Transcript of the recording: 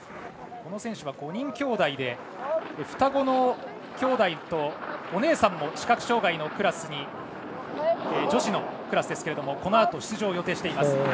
この選手は５人きょうだいで双子のきょうだいとお姉さんも視覚障がいのクラスに女子のクラスですがこのあと出場を予定しています。